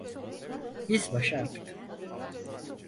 Biz başardık.